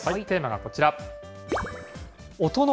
テーマはこちら。